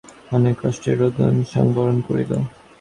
অনেক কষ্টে রোদন সংবরণ করিল।